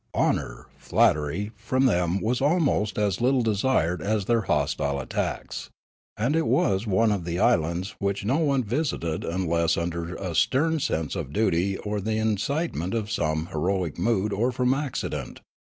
Honour, flattery, from them was almost as little desired as their hostile attacks ; and it was one of the islands which no one visited unless under a stern sense of duty or the incitement of some heroic mood or from accident.